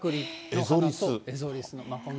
エゾリス。